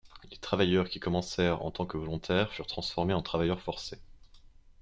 Les travailleurs qui commencèrent en tant que volontaires furent transformés en travailleurs forcés.